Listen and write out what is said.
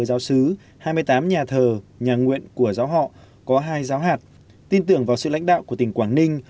giáo sứ hai mươi tám nhà thờ nhà nguyện của giáo họ có hai giáo hạt tin tưởng vào sự lãnh đạo của tỉnh quảng ninh